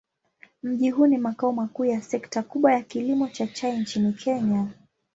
Mji huu ni makao makuu ya sekta kubwa ya kilimo cha chai nchini Kenya.